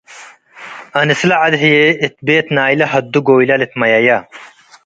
አንስለ ዐድ ህዬ እት ቤት ናይለ ሀዱ ጎይለ ልትመየየ ።